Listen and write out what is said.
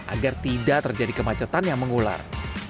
agar tidak terjadi kemacetan yang mengular